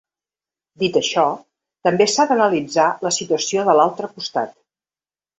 Dit això, també s’ha d’analitzar la situació de l’altre costat.